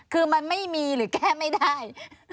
คือมันไม่มีหรือแก้ไม่ได้